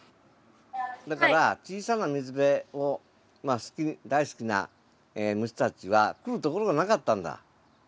だから小さな水辺を大好きな虫たちは来るところがなかったんだ。